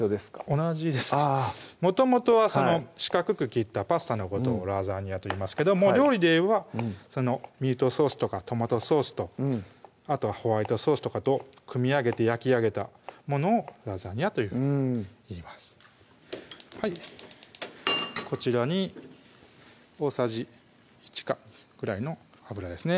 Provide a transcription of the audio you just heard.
同じですねもともとは四角く切ったパスタのことをラザーニャといいますけど料理でいえばミートソースとかトマトソースとあとはホワイトソースとかと組み上げて焼き上げたものをラザニアというふうにいいますはいこちらに大さじ１かぐらいの油ですね